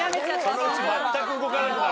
そのうち全く動かなくなる。